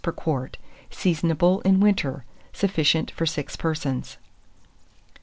per quart. Seasonable in winter. Sufficient for 6 persons. II.